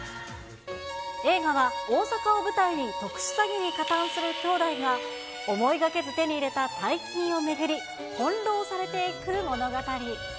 映画は大阪を舞台に特殊詐欺に加担する姉弟が、思いがけず手に入れた大金を巡り翻弄されていく物語。